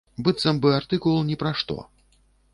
Быццам бы артыкул ні пра што.